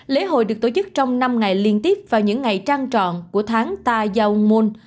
lễ hội được tổ chức trong năm ngày liên tiếp vào những ngày trang trọng của tháng ta giao môn